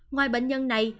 ngoài bệnh nhân này